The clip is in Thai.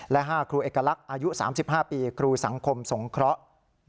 และ๕ครูเอกลักษณ์อายุ๓๕ปีครูสังคมสงเคราะห์